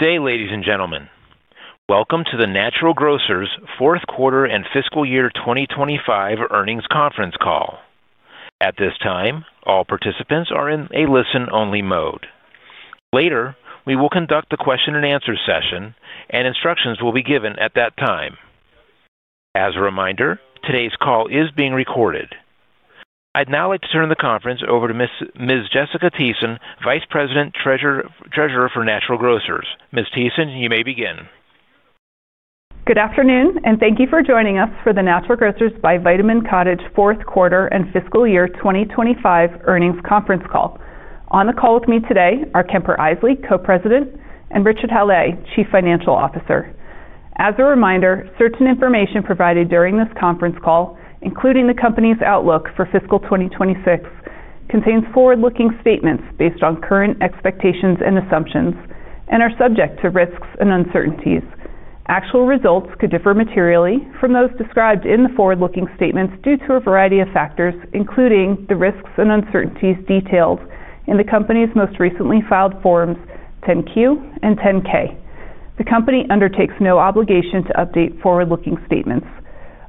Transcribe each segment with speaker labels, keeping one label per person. Speaker 1: Good day, ladies and gentlemen. Welcome to the Natural Grocers by Vitamin Cottage fourth quarter and fiscal year 2025 earnings conference call. At this time, all participants are in a listen-only mode. Later, we will conduct the question-and-answer session, and instructions will be given at that time. As a reminder, today's call is being recorded. I'd now like to turn the conference over to Ms. Jessica Thiessen, Vice President, Treasurer for Natural Grocers by Vitamin Cottage. Ms. Thiessen, you may begin.
Speaker 2: Good afternoon, and thank you for joining us for the Natural Grocers by Vitamin Cottage fourth quarter and fiscal year 2025 earnings conference call. On the call with me today are Kemper Isely, Co-President, and Richard Halle, Chief Financial Officer. As a reminder, certain information provided during this conference call, including the company's outlook for fiscal 2026, contains forward-looking statements based on current expectations and assumptions and are subject to risks and uncertainties. Actual results could differ materially from those described in the forward-looking statements due to a variety of factors, including the risks and uncertainties detailed in the company's most recently filed forms 10Q and 10K. The company undertakes no obligation to update forward-looking statements.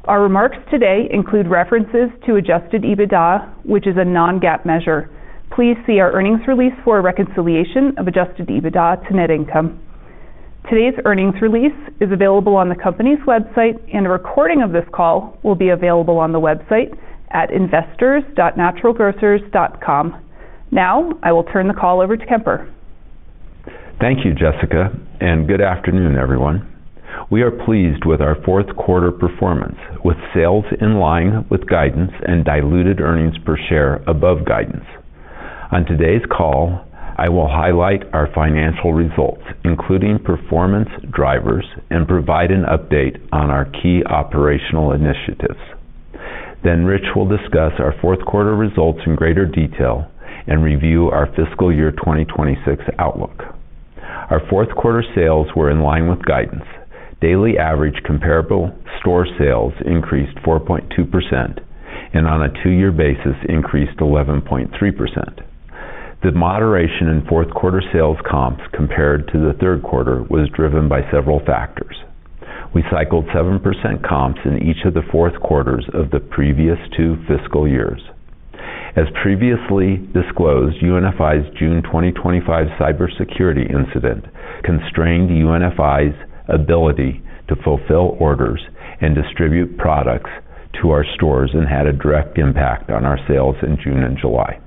Speaker 2: Our remarks today include references to adjusted EBITDA, which is a non-GAAP measure. Please see our earnings release for a reconciliation of adjusted EBITDA to net income. Today's earnings release is available on the company's website, and a recording of this call will be available on the website at investors.naturalgrocers.com. Now, I will turn the call over to Kemper.
Speaker 3: Thank you, Jessica, and good afternoon, everyone. We are pleased with our 4th quarter performance, with sales in line with guidance and diluted earnings per share above guidance. On today's call, I will highlight our financial results, including performance drivers, and provide an update on our key operational initiatives. Rich will discuss our 4th quarter results in greater detail and review our fiscal year 2026 outlook. Our 4th quarter sales were in line with guidance. Daily average comparable store sales increased 4.2%, and on a two-year basis, increased 11.3%. The moderation in 4th quarter sales comps compared to the 3rd quarter was driven by several factors. We cycled 7% comps in each of the 4th quarters of the previous two fiscal years. As previously disclosed, UNFI's June 2025 cybersecurity incident constrained UNFI's ability to fulfill orders and distribute products to our stores and had a direct impact on our sales in June and July.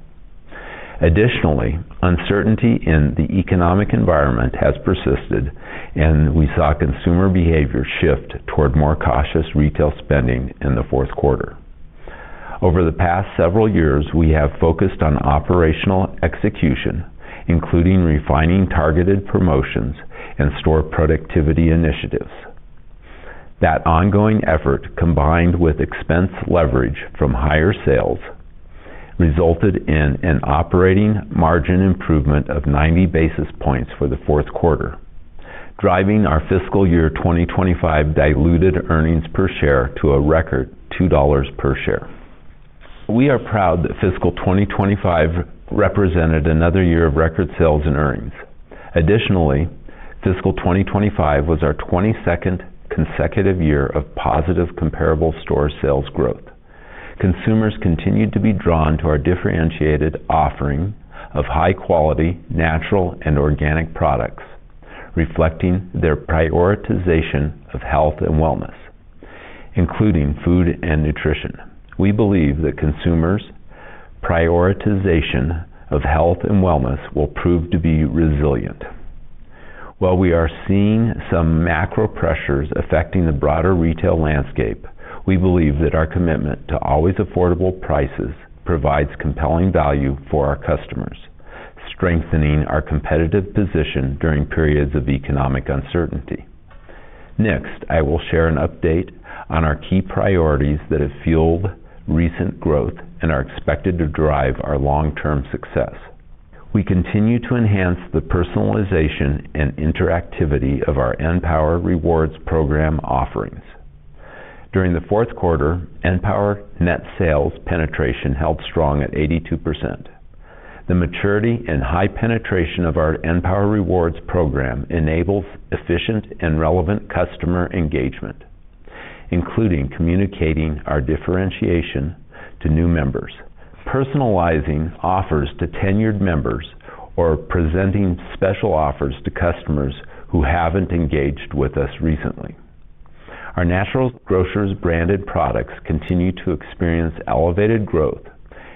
Speaker 3: Additionally, uncertainty in the economic environment has persisted, and we saw consumer behavior shift toward more cautious retail spending in the 4th quarter. Over the past several years, we have focused on operational execution, including refining targeted promotions and store productivity initiatives. That ongoing effort, combined with expense leverage from higher sales, resulted in an operating margin improvement of 90 basis points for the 4th quarter, driving our fiscal year 2025 diluted earnings per share to a record $2 per share. We are proud that fiscal 2025 represented another year of record sales and earnings. Additionally, fiscal 2025 was our 22nd consecutive year of positive comparable store sales growth. Consumers continued to be drawn to our differentiated offering of high-quality natural and organic products, reflecting their prioritization of health and wellness, including food and nutrition. We believe that consumers' prioritization of health and wellness will prove to be resilient. While we are seeing some macro pressures affecting the broader retail landscape, we believe that our commitment to always affordable prices provides compelling value for our customers, strengthening our competitive position during periods of economic uncertainty. Next, I will share an update on our key priorities that have fueled recent growth and are expected to drive our long-term success. We continue to enhance the personalization and interactivity of our NPower Rewards program offerings. During the 4th quarter, NPower net sales penetration held strong at 82%. The maturity and high penetration of our NPower Rewards program enables efficient and relevant customer engagement, including communicating our differentiation to new members, personalizing offers to tenured members, or presenting special offers to customers who have not engaged with us recently. Our Natural Grocers branded products continue to experience elevated growth.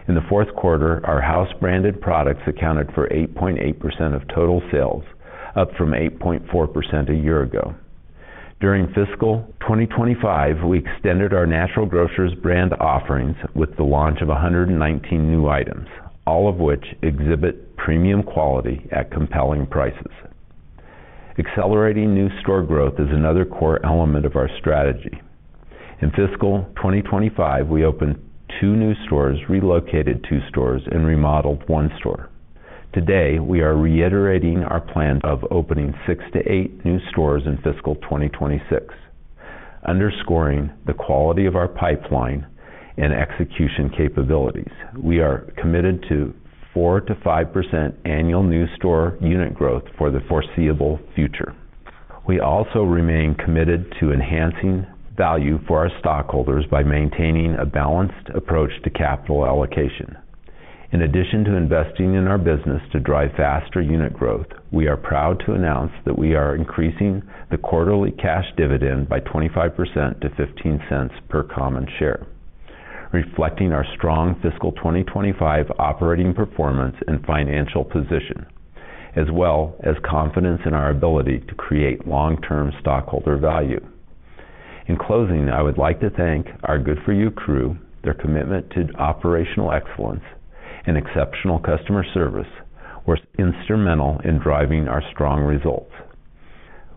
Speaker 3: In the 4th quarter, our house-branded products accounted for 8.8% of total sales, up from 8.4% a year ago. During fiscal 2025, we extended our Natural Grocers brand offerings with the launch of 119 new items, all of which exhibit premium quality at compelling prices. Accelerating new store growth is another core element of our strategy. In fiscal 2025, we opened two new stores, relocated two stores, and remodeled one store. Today, we are reiterating our plan of opening six to eight new stores in fiscal 2026, underscoring the quality of our pipeline and execution capabilities. We are committed to 4%-5% annual new store unit growth for the foreseeable future. We also remain committed to enhancing value for our stockholders by maintaining a balanced approach to capital allocation. In addition to investing in our business to drive faster unit growth, we are proud to announce that we are increasing the quarterly cash dividend by 25% to $0.15 per common share, reflecting our strong fiscal 2025 operating performance and financial position, as well as confidence in our ability to create long-term stockholder value. In closing, I would like to thank our Good4U crew, their commitment to operational excellence, and exceptional customer service, which were instrumental in driving our strong results.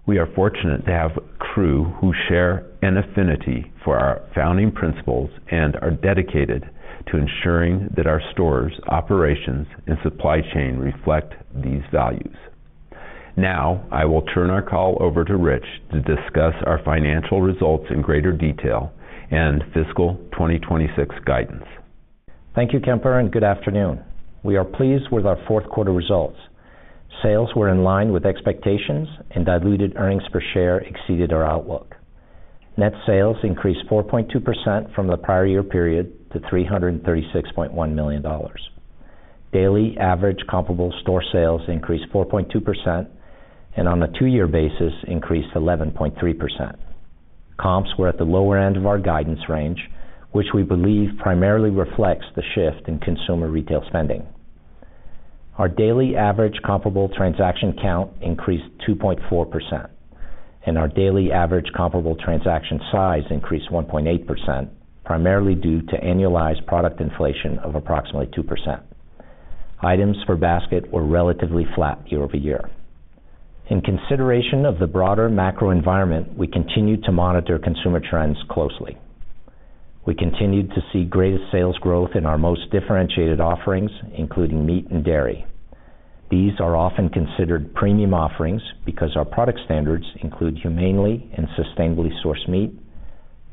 Speaker 3: We are fortunate to have a crew who share an affinity for our founding principles and are dedicated to ensuring that our stores, operations, and supply chain reflect these values.
Speaker 1: Now, I will turn our call over to Rich to discuss our financial results in greater detail and fiscal 2026 guidance.
Speaker 4: Thank you, Kemper, and good afternoon. We are pleased with our 4th quarter results. Sales were in line with expectations, and diluted earnings per share exceeded our outlook. Net sales increased 4.2% from the prior year period to $336.1 million. Daily average comparable store sales increased 4.2%, and on a two-year basis, increased 11.3%. Comps were at the lower end of our guidance range, which we believe primarily reflects the shift in consumer retail spending. Our daily average comparable transaction count increased 2.4%, and our daily average comparable transaction size increased 1.8%, primarily due to annualized product inflation of approximately 2%. Items per basket were relatively flat year-over-year. In consideration of the broader macro environment, we continue to monitor consumer trends closely. We continue to see greatest sales growth in our most differentiated offerings, including meat and dairy. These are often considered premium offerings because our product standards include humanely and sustainably sourced meat,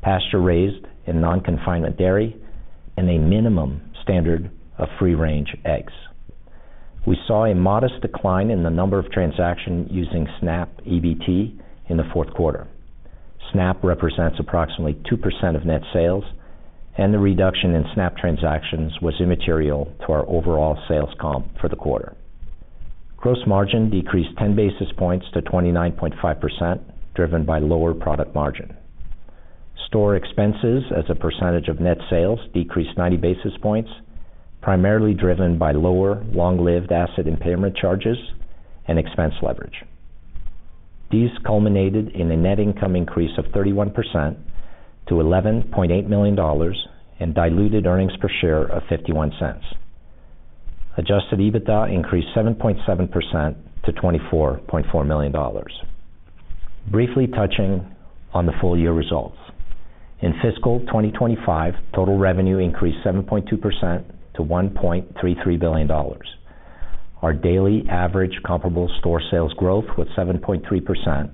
Speaker 4: pasture-raised and non-confinement dairy, and a minimum standard of free-range eggs. We saw a modest decline in the number of transactions using SNAP EBT in the 4th quarter. SNAP represents approximately 2% of net sales, and the reduction in SNAP transactions was immaterial to our overall sales comp for the quarter. Gross margin decreased 10 basis points to 29.5%, driven by lower product margin. Store expenses as a percentage of net sales decreased 90 basis points, primarily driven by lower long-lived asset impairment charges and expense leverage. These culminated in a net income increase of 31% to $11.8 million and diluted earnings per share of $0.51. Adjusted EBITDA increased 7.7% to $24.4 million. Briefly touching on the full-year results, in fiscal 2025, total revenue increased 7.2% to $1.33 billion. Our daily average comparable store sales growth was 7.3%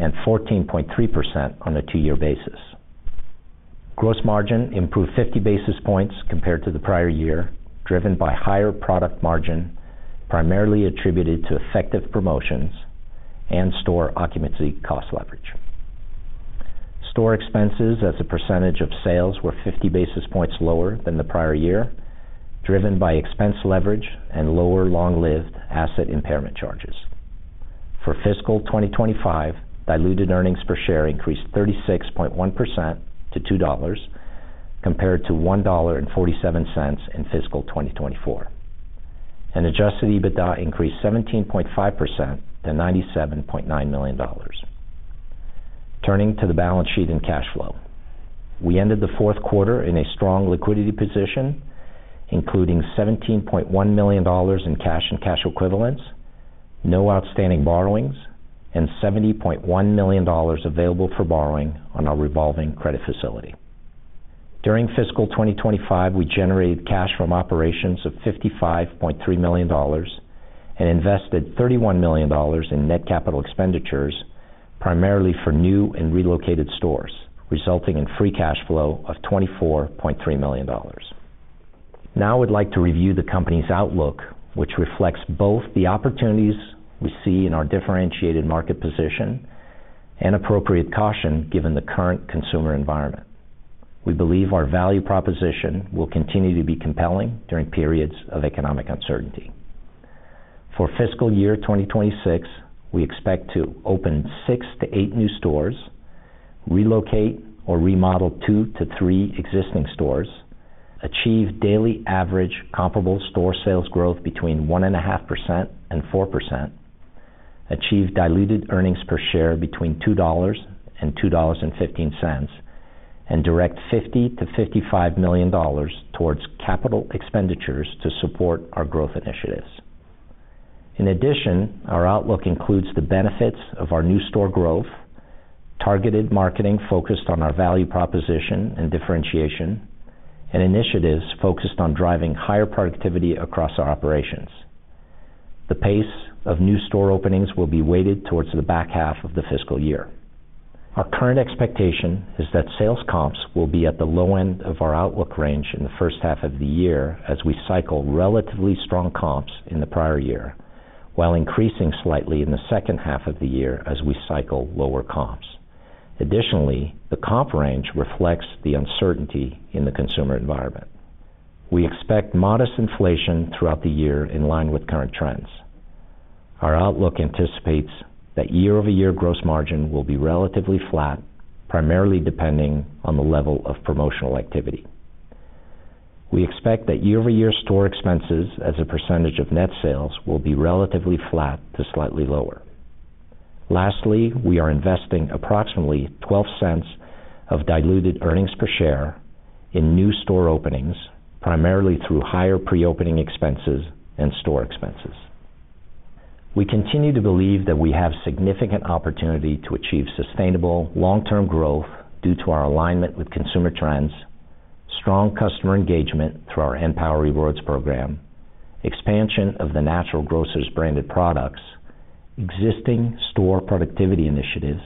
Speaker 4: and 14.3% on a two-year basis. Gross margin improved 50 basis points compared to the prior year, driven by higher product margin, primarily attributed to effective promotions and store occupancy cost leverage. Store expenses as a percentage of sales were 50 basis points lower than the prior year, driven by expense leverage and lower long-lived asset impairment charges. For fiscal 2025, diluted earnings per share increased 36.1% to $2.00 compared to $1.47 in fiscal 2024. Adjusted EBITDA increased 17.5% to $97.9 million. Turning to the balance sheet and cash flow, we ended the 4th quarter in a strong liquidity position, including $17.1 million in cash and cash equivalents, no outstanding borrowings, and $70.1 million available for borrowing on our revolving credit facility. During fiscal 2025, we generated cash from operations of $55.3 million and invested $31 million in net capital expenditures, primarily for new and relocated stores, resulting in free cash flow of $24.3 million. Now, I would like to review the company's outlook, which reflects both the opportunities we see in our differentiated market position and appropriate caution given the current consumer environment. We believe our value proposition will continue to be compelling during periods of economic uncertainty. For fiscal year 2026, we expect to open six to eight new stores, relocate or remodel two to three existing stores, achieve daily average comparable store sales growth between 1.5% and 4%, achieve diluted earnings per share between $2 and $2.15, and direct $50-$55 million towards capital expenditures to support our growth initiatives. In addition, our outlook includes the benefits of our new store growth, targeted marketing focused on our value proposition and differentiation, and initiatives focused on driving higher productivity across our operations. The pace of new store openings will be weighted towards the back half of the fiscal year. Our current expectation is that sales comps will be at the low end of our outlook range in the first half of the year as we cycle relatively strong comps in the prior year, while increasing slightly in the second half of the year as we cycle lower comps. Additionally, the comp range reflects the uncertainty in the consumer environment. We expect modest inflation throughout the year in line with current trends. Our outlook anticipates that year-over-year gross margin will be relatively flat, primarily depending on the level of promotional activity. We expect that year-over-year store expenses as a percentage of net sales will be relatively flat to slightly lower. Lastly, we are investing approximately $0.12 of diluted earnings per share in new store openings, primarily through higher pre-opening expenses and store expenses. We continue to believe that we have significant opportunity to achieve sustainable long-term growth due to our alignment with consumer trends, strong customer engagement through our NPower Rewards program, expansion of the Natural Grocers branded products, existing store productivity initiatives,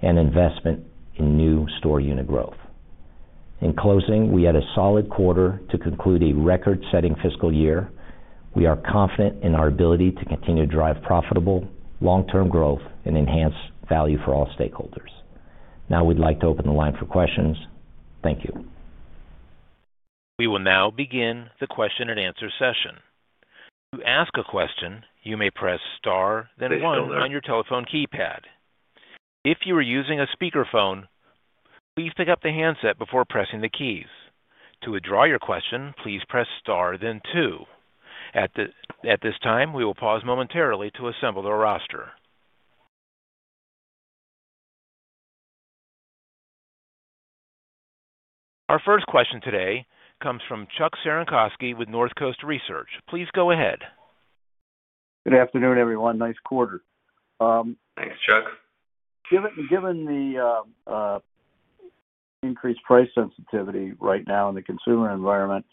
Speaker 4: and investment in new store unit growth. In closing, we had a solid quarter to conclude a record-setting fiscal year. We are confident in our ability to continue to drive profitable long-term growth and enhance value for all stakeholders. Now, we'd like to open the line for questions. Thank you.
Speaker 1: We will now begin the question-and-answer session. To ask a question, you may press star, then one on your telephone keypad. If you are using a speakerphone, please pick up the handset before pressing the keys. To withdraw your question, please press star, then two. At this time, we will pause momentarily to assemble the roster. Our first question today comes from Chuck Cerankosky with North Coast Research. Please go ahead.
Speaker 5: Good afternoon, everyone. Nice quarter.
Speaker 3: Thanks, Chuck.
Speaker 5: Given the increased price sensitivity right now in the consumer environment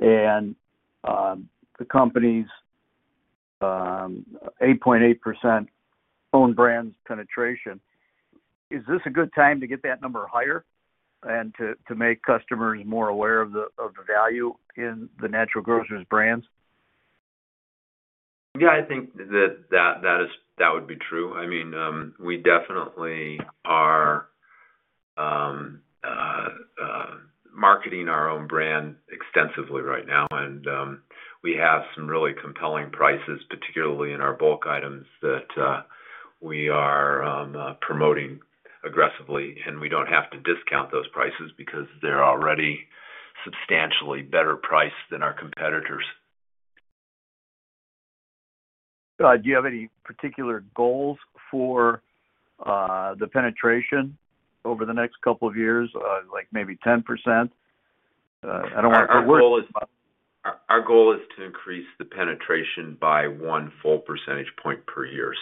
Speaker 5: and the company's 8.8% own brands penetration, is this a good time to get that number higher and to make customers more aware of the value in the Natural Grocers brands?
Speaker 3: Yeah, I think that that would be true. I mean, we definitely are marketing our own brand extensively right now, and we have some really compelling prices, particularly in our bulk items that we are promoting aggressively, and we do not have to discount those prices because they are already substantially better priced than our competitors.
Speaker 5: Do you have any particular goals for the penetration over the next couple of years, like maybe 10%? I don't want to put words.
Speaker 3: Our goal is to increase the penetration by one full percentage point per year.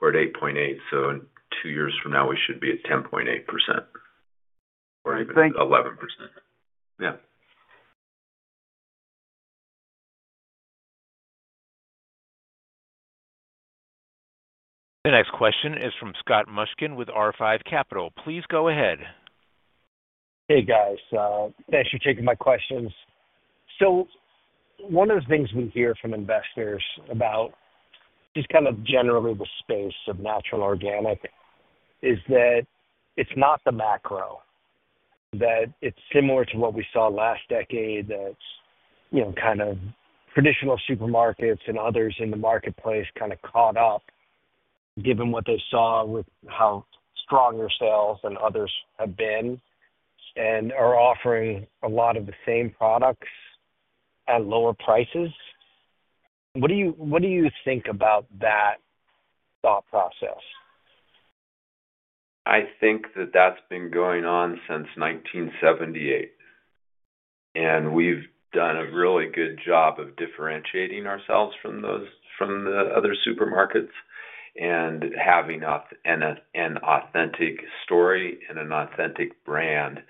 Speaker 3: We're at 8.8%. In two years from now, we should be at 10.8% or even 11%.
Speaker 1: The next question is from Scott Mushkin with R5 Capital. Please go ahead.
Speaker 6: Hey, guys. Thanks for taking my questions. One of the things we hear from investors about just kind of generally the space of natural organic is that it's not the macro, that it's similar to what we saw last decade, that kind of traditional supermarkets and others in the marketplace kind of caught up, given what they saw with how strong your sales and others have been and are offering a lot of the same products at lower prices. What do you think about that thought process?
Speaker 3: I think that that's been going on since 1978, and we've done a really good job of differentiating ourselves from the other supermarkets and having an authentic story and an authentic brand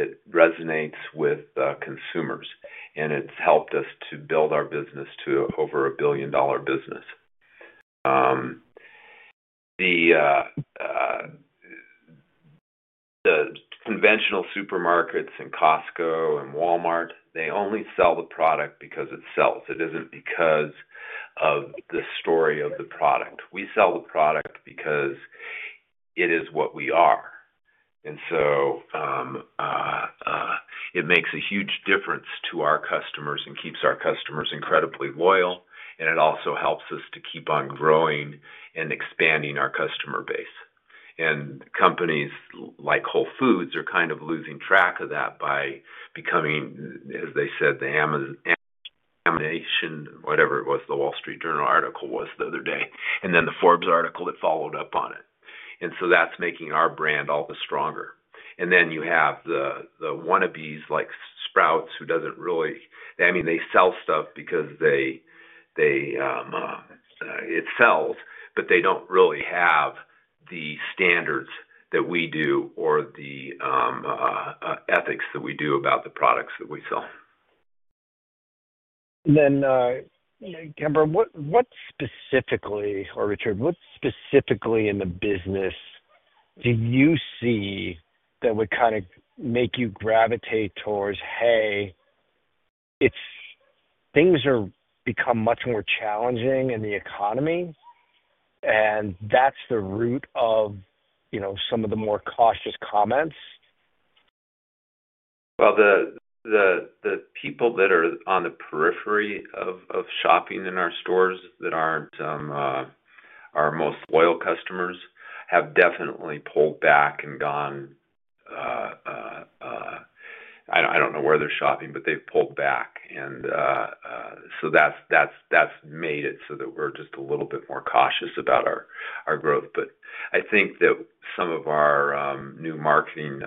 Speaker 3: that resonates with consumers. It's helped us to build our business to over a billion-dollar business. The conventional supermarkets and Costco and Walmart, they only sell the product because it sells. It isn't because of the story of the product. We sell the product because it is what we are. It makes a huge difference to our customers and keeps our customers incredibly loyal, and it also helps us to keep on growing and expanding our customer base. Companies like Whole Foods are kind of losing track of that by becoming, as they said, the amination, whatever it was, the Wall Street Journal article was the other day, and then the Forbes article that followed up on it. That is making our brand all the stronger. You have the wannabes like Sprouts who does not really—I mean, they sell stuff because it sells, but they do not really have the standards that we do or the ethics that we do about the products that we sell.
Speaker 6: Kemper, what specifically—or Richard, what specifically in the business do you see that would kind of make you gravitate towards, "Hey, things have become much more challenging in the economy," and that's the root of some of the more cautious comments?
Speaker 3: The people that are on the periphery of shopping in our stores that aren't our most loyal customers have definitely pulled back and gone—I don't know where they're shopping, but they've pulled back. That has made it so that we're just a little bit more cautious about our growth. I think that some of our new marketing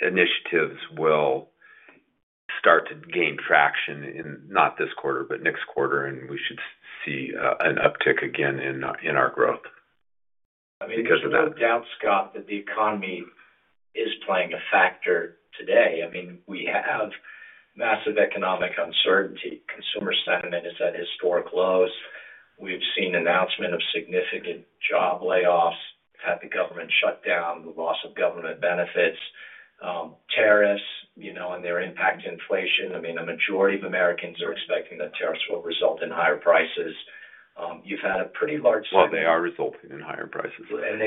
Speaker 3: initiatives will start to gain traction in not this quarter, but next quarter, and we should see an uptick again in our growth because of that.
Speaker 4: I mean, it's no doubt, Scott, that the economy is playing a factor today. I mean, we have massive economic uncertainty. Consumer sentiment is at historic lows. We've seen announcements of significant job layoffs at the government shutdown, the loss of government benefits, tariffs and their impact on inflation. I mean, a majority of Americans are expecting that tariffs will result in higher prices. You've had a pretty large—
Speaker 3: They are resulting in higher prices.
Speaker 4: There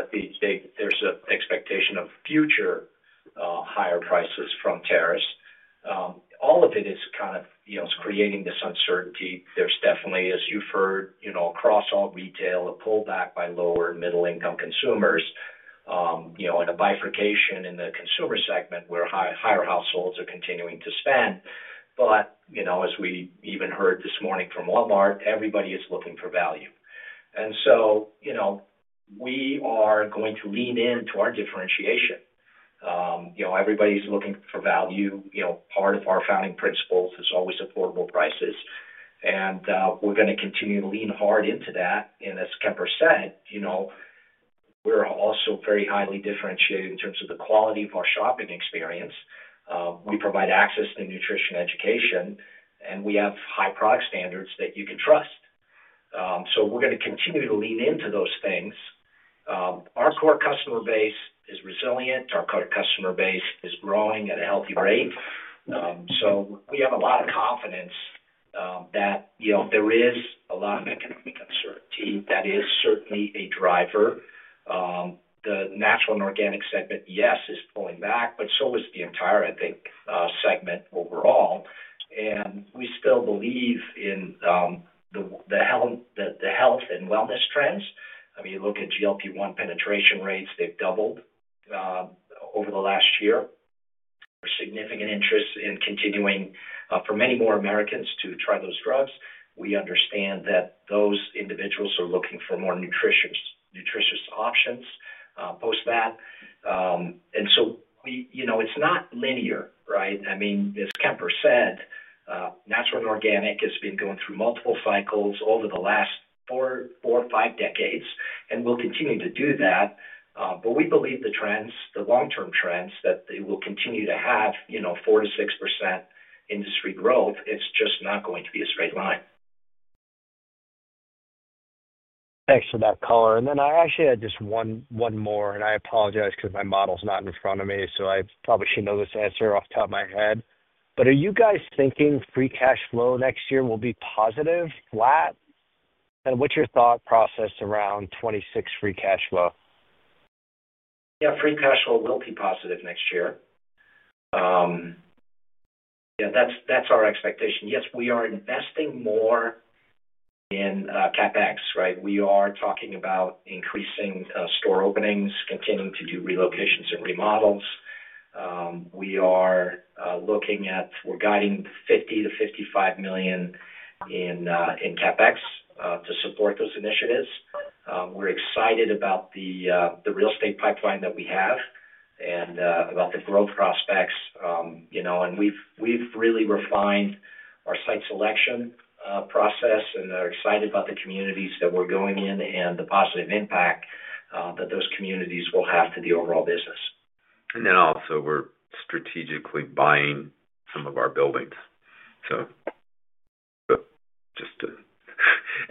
Speaker 4: is an expectation of future higher prices from tariffs. All of it is kind of creating this uncertainty. There is definitely, as you have heard, across all retail, a pullback by lower and middle-income consumers and a bifurcation in the consumer segment where higher households are continuing to spend. As we even heard this morning from Walmart, everybody is looking for value. We are going to lean into our differentiation. Everybody is looking for value. Part of our founding principles is always affordable prices, and we are going to continue to lean hard into that. As Kemper said, we are also very highly differentiated in terms of the quality of our shopping experience. We provide access to nutrition education, and we have high product standards that you can trust. We are going to continue to lean into those things. Our core customer base is resilient. Our core customer base is growing at a healthy rate. We have a lot of confidence that there is a lot of economic uncertainty. That is certainly a driver. The natural and organic segment, yes, is pulling back, but so is the entire, I think, segment overall. We still believe in the health and wellness trends. I mean, you look at GLP-1 penetration rates, they've doubled over the last year. There's significant interest in continuing for many more Americans to try those drugs. We understand that those individuals are looking for more nutritious options post that. It's not linear, right? I mean, as Kemper said, natural and organic has been going through multiple cycles over the last four or five decades and will continue to do that. We believe the trends, the long-term trends, that it will continue to have 4%-6% industry growth. It's just not going to be a straight line.
Speaker 6: Thanks for that color. I actually had just one more, and I apologize because my model's not in front of me, so I probably should know this answer off the top of my head. Are you guys thinking free cash flow next year will be positive, flat? What's your thought process around 2026 free cash flow?
Speaker 4: Yeah, free cash flow will be positive next year. Yeah, that's our expectation. Yes, we are investing more in CapEx, right? We are talking about increasing store openings, continuing to do relocations and remodels. We are looking at—we're guiding $50million-$55 million in CapEx to support those initiatives. We're excited about the real estate pipeline that we have and about the growth prospects. We've really refined our site selection process and are excited about the communities that we're going in and the positive impact that those communities will have to the overall business.
Speaker 3: We are also strategically buying some of our buildings, so just to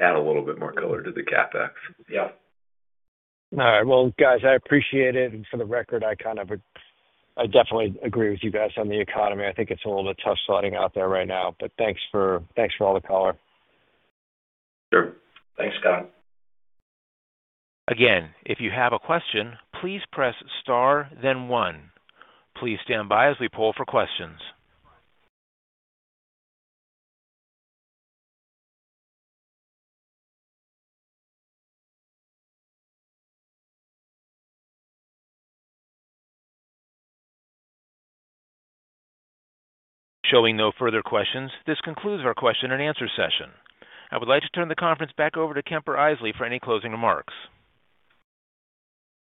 Speaker 3: add a little bit more color to the CapEx.
Speaker 6: All right. Guys, I appreciate it. For the record, I kind of—I definitely agree with you guys on the economy. I think it's a little bit tough sliding out there right now, but thanks for all the color.
Speaker 3: Sure. Thanks, Scott.
Speaker 1: Again, if you have a question, please press star, then one. Please stand by as we pull for questions. Showing no further questions, this concludes our question-and-answer session. I would like to turn the conference back over to Kemper Isely for any closing remarks.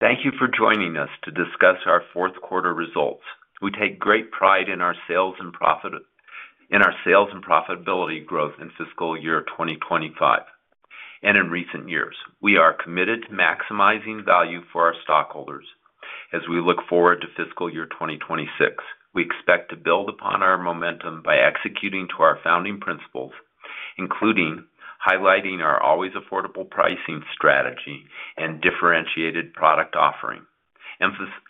Speaker 3: Thank you for joining us to discuss our 4th quarter results. We take great pride in our sales and profitability growth in fiscal year 2025 and in recent years. We are committed to maximizing value for our stockholders. As we look forward to fiscal year 2026, we expect to build upon our momentum by executing to our founding principles, including highlighting our always affordable pricing strategy and differentiated product offering,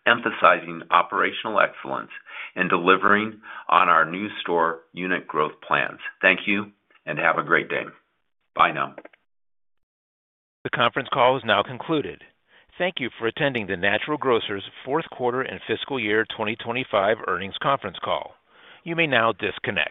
Speaker 3: emphasizing operational excellence, and delivering on our new store unit growth plans. Thank you and have a great day. Bye now.
Speaker 1: The conference call is now concluded. Thank you for attending the Natural Grocers 4th quarter and fiscal year 2025 earnings conference call. You may now disconnect.